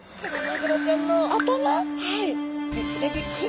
はい。